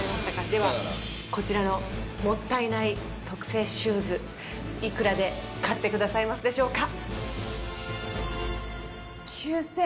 ではこちらのもったいない特製シューズいくらで買ってくださいますでしょうか？